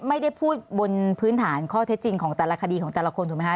ไม่ได้พูดบนพื้นฐานข้อเท็จจริงของแต่ละคดีของแต่ละคนถูกไหมค